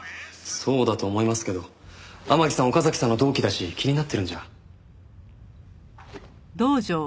そうだと思いますけど天樹さん岡崎さんの同期だし気になってるんじゃ。